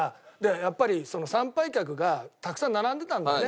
やっぱり参拝客がたくさん並んでたんだよね